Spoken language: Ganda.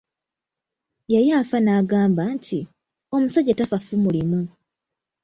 Yali afa nagamba nti, “Omusajja tafa ffumu limu."